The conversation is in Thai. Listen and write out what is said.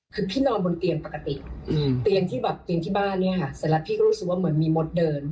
คือพี่นอนบนเตียงปกติเตียงที่แบบเตียงที่บ้านเนี่ยค่ะเสร็จแล้วพี่ก็รู้สึกว่าเหมือนมีมดเดิน